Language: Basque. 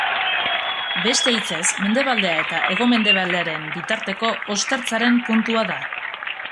Beste hitzez, mendebaldea eta hego-mendebaldearen bitarteko ostertzaren puntua da.